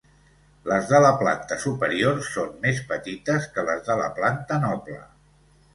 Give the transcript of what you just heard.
Les de la planta superior són més petites que les de la planta noble.